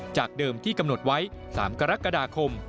จากเดิมที่กำหนดไว้๓กรกฎาคม